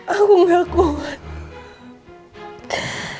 aku gak kuat